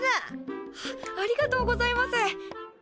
ありがとうございます。